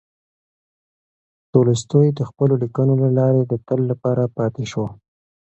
تولستوی د خپلو لیکنو له لارې د تل لپاره پاتې شو.